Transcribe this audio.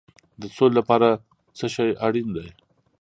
د سولې لپاره څه شی اړین دی؟